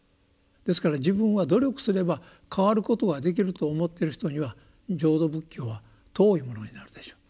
ですから自分は努力すれば変わることができると思ってる人には浄土仏教は遠いものになるでしょう。